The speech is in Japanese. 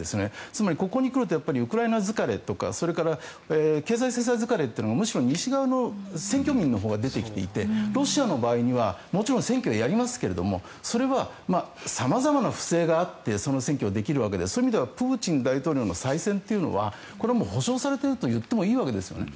つまりここに来るとウクライナ疲れとかそれから経済制裁疲れというのはむしろ西側の選挙民のほうが出てきていてロシアの場合にはもちろん選挙はやりますけどそれは様々な不正があってその選挙はできるわけでそういう意味ではプーチン大統領の再選というのはこれは保証されているといってもいいわけですよね。